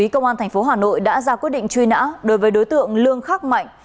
công an thành phố hà nội đã ra quyết định truy nã đối với đối tượng lương khắc mạnh